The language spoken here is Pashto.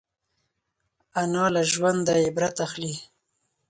انا له ژونده عبرت اخلي